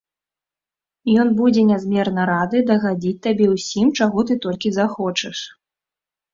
Ён будзе нязмерна рады дагадзіць табе ўсім, чаго ты толькі захочаш.